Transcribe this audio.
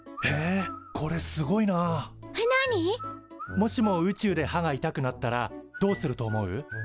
もしも宇宙で歯が痛くなったらどうすると思う？